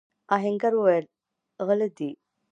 آهنګر وويل: غله دي!